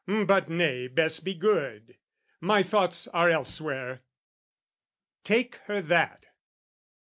but nay, best be good! "My thoughts are elsewhere." "Take her that!"